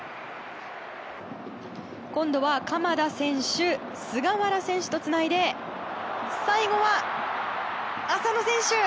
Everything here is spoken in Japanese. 今度は鎌田選手、菅原選手とつないで最後は浅野選手。